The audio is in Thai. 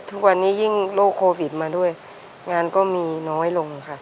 ทุกวันนี้ยิ่งโรคโควิดมาด้วยงานก็มีน้อยลงค่ะ